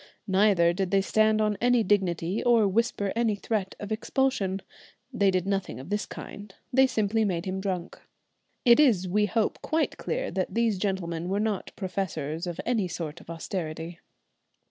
Neither did they stand on any dignity or whisper any threat of expulsion. They did nothing of this kind, they simply made him drunk. It is, we hope, quite clear that these gentlemen were not professors of any sort of austerity.